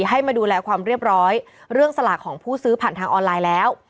ให้มาดูแลความเรียบร้อยเรื่องสลากของผู้ซื้อผ่านทางออนไลน์แล้ว